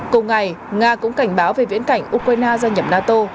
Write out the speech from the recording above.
cùng ngày nga cũng cảnh báo về viễn cảnh ukraine gia nhập nato